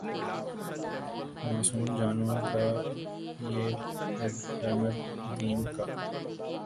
معصوم جانوں کا یا پھرحرمت دین کا؟